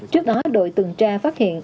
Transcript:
trước đó đội tường tra phát hiện